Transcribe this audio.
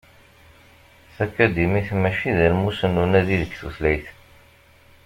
Takadimit mačči d almus unadi deg tutlayt.